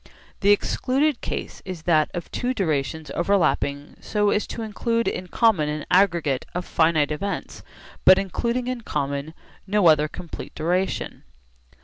The excluded case is that of two durations overlapping so as to include in common an aggregate of finite events but including in common no other complete duration.